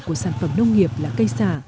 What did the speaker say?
của sản phẩm nông nghiệp là cây xả